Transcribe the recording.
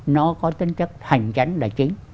nó có tính chất hành chánh là chính